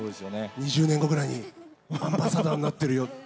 ２０年後ぐらいにアンバサダーになってるよって。